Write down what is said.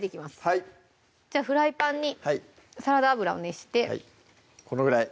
はいフライパンにサラダ油を熱してこのぐらい？